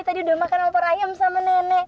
tadi udah makan opor ayam sama nenek